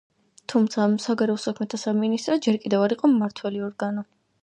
თუმცა, საგარეო საქმეთა სამინისტრო ჯერ კიდევ არ იყო მმართველი ორგანო.